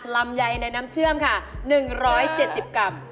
ลำไยในน้ำเชื่อมค่ะ๑๗๐กรัม